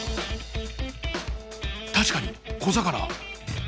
確かに小魚！